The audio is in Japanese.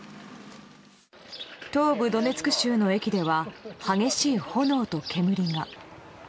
東部ドネツク州の駅では激しい炎と煙が。